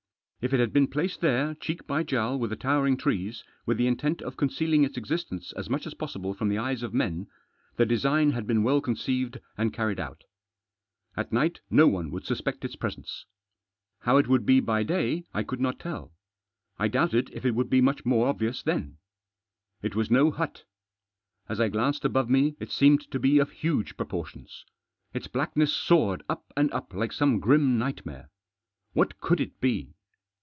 If it had been placed there, cheek by jowl with the towering trees, with the intent of concealing its existence as much as possible from the eyes of men, the design had been well conceived and carried out At night no one would suspect its presence. How it would be by day I could not tell. I doubted if it would be much more obvious then It was no hut As I glanced above me it seemed to be of huge proportions. Its blackness soared up and up like some grim nightmare. What could it be